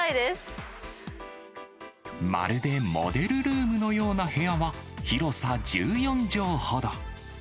まるでモデルルームのような部屋は、広さ１４畳ほど。